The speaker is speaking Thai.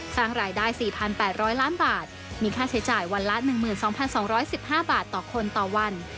สร้างรายได้๔๘๐๐ล้านบาทมีค่าใช้จ่ายวันละ๑๒๒๑๕บาทต่อคนต่อวัน